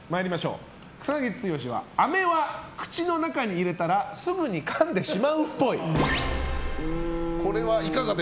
草なぎ剛はアメは口の中に入れたらすぐに噛んでしまうっぽい。